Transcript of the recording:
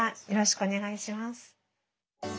よろしくお願いします。